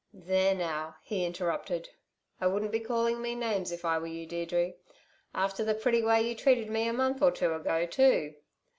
"There, now," he interrupted. "I wouldn't be calling me names, if I were you, Deirdre. After the pretty way you treated me a month or two ago, too.